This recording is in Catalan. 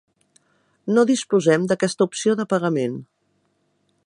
No disposem d'aquesta opció de pagament.